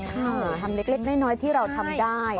ทำเล็กน้อยที่เราทำได้